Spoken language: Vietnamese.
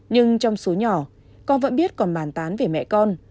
nhưng trong số nhỏ con vẫn biết còn màn tán về mẹ con